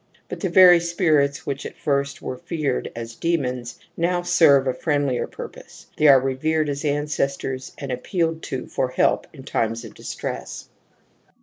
But the very spirits which at first were feared as demons now serve a friendlier purpose ; they are revered as ancestors and appealed to for help in times of distress.